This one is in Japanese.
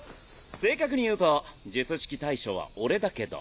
正確に言うと術式対象は俺だけど。